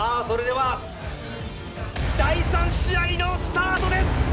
それでは第３試合のスタートです！